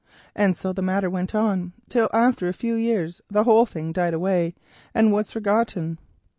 And so the matter went on, till after a few years the quest died away and was forgotten.